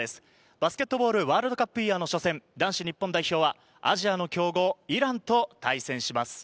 バスケットボールワールドカップイヤーの初戦、男子日本代表はアジアの強豪・イランと対戦します。